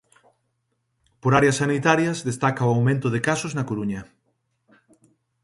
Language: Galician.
Por áreas sanitarias, destaca o aumento de casos na Coruña.